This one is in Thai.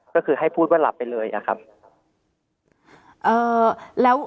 ก็คือให้พูดว่าหลับไปเลยอะครับ